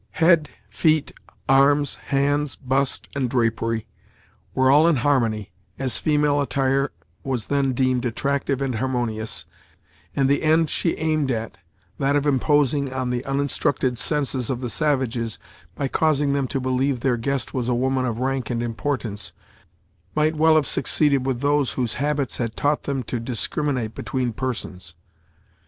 Head, feet, arms, hands, bust, and drapery, were all in harmony, as female attire was then deemed attractive and harmonious, and the end she aimed at, that of imposing on the uninstructed senses of the savages, by causing them to believe their guest was a woman of rank and importance, might well have succeeded with those whose habits had taught them to discriminate between persons.